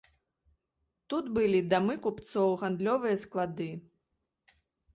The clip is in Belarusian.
Тут былі дамы купцоў, гандлёвыя склады.